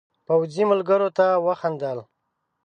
پوځي ملګرو ته وخندل.